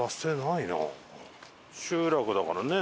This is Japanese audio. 集落だからね